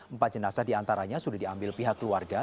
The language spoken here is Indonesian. empat jenazah diantaranya sudah diambil pihak keluarga